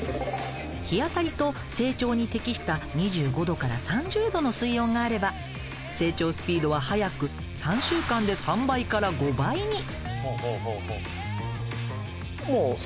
日当たりと成長に適した２５℃３０℃の水温があれば成長スピードは早く３週間で３倍から５倍に。